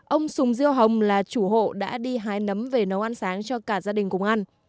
ông sùng diêu hồng là chủ hộ đã đi hái nấm về nấu ăn sáng cho cả gia đình cùng ăn